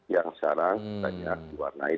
yang sekarang banyak diwarnai